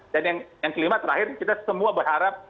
dan yang kelima terakhir kita semua berharap